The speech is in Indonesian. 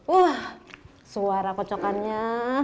wah suara kocokannya